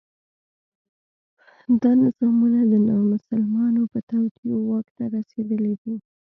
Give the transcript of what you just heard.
دا نظامونه د نامسلمانو په توطیو واک ته رسېدلي دي.